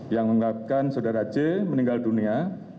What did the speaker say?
yang mengatakan saudara c meninggal dunia